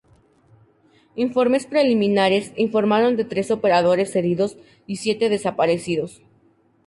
Informes preliminares informaron de tres operadores heridos y siete desaparecidos.